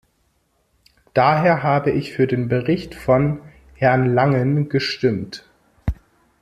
Daher habe ich für den Bericht von Herrn Langen gestimmt.